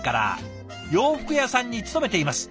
「洋服屋さんに勤めています。